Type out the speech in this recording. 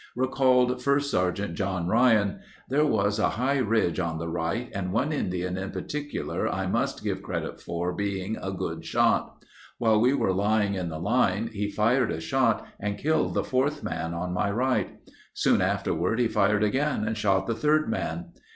Recalled 1st Sgt. John Ryan: "There was a high ridge on the right and one Indian in particular I must give credit for being a good shot. While we were lying in the line he fired a shot and killed the fourth man on my right. Soon afterward he fired again and shot the third man.